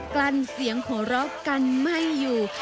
กลั่นเสียงโหร่กันไหม้อยู่